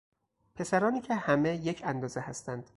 پسرانی که همه یک اندازه هستند